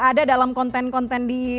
ada dalam konten konten di